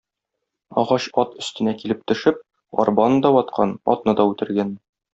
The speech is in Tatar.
Агач ат өстенә килеп төшеп, арбаны да ваткан, атны да үтергән.